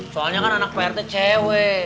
soalnya kan anak pak rt cewe